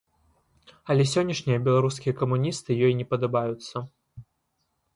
Але сённяшнія беларускія камуністы ёй не падабаюцца.